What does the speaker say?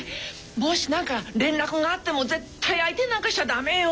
もし何か連絡があっても絶対相手になんかしちゃ駄目よ。